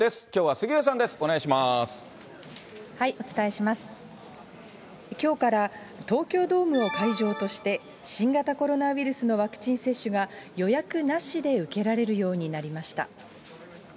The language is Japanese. きょうから東京ドームを会場として、新型コロナウイルスのワクチン接種が、予約なしで受けられるようになりました。